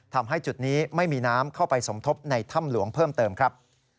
ทำให้จุดนี้ไม่มีน้ำเข้าไปสมทบในถ้ำหลวงเพิ่มเติมครับ